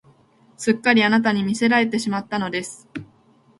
すっかりあなたに魅せられてしまったのです